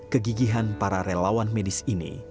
kegigihan para relawan medis ini